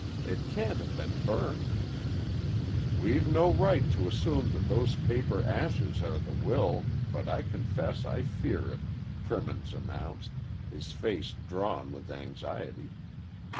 It can't have been burnt!" "We've no right to assume that those paper ashes are the will, but I confess I fear it," Crimmins announced, his face drawn with anxiety.